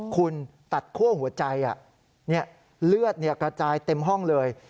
คุณตัดขั้วหัวใจอ่ะนี่เลือดเนี่ยกระจายเต็มห้องเลย